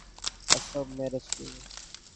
কসম, মেরেছি!